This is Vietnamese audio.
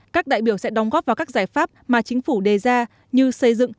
các đại biểu sẽ đóng góp vào các giải pháp mà chính phủ đề ra như xây dựng